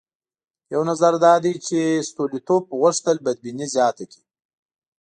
یو نظر دا دی چې ستولیتوف غوښتل بدبیني زیاته کړي.